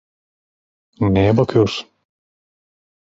Neye bakıyorsun?